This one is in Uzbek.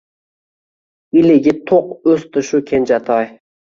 Iligi to`q o`sdi shu kenjatoy